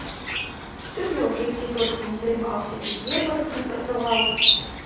Чым я ў жыцці толькі не займаўся і дзе толькі не працаваў.